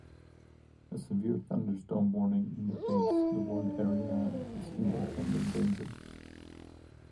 A severe thunderstorm warning indicates the warned area is in impending danger.